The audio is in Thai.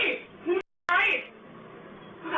สมชื่อของเบลกดัน